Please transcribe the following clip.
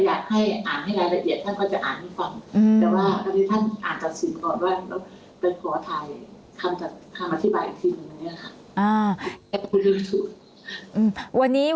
ท่านก็จะอ่านให้ฟังแต่ว่าท่านอ่านจัดสินก่อนว่าเป็นขอถ่ายคำจัดคำอธิบายอีกทีหนึ่งเลยนะครับ